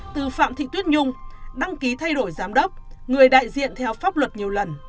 từ phạm thị tuyết nhung đăng ký thay đổi giám đốc người đại diện theo pháp luật nhiều lần